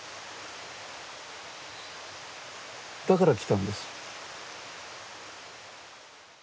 だから来たんです。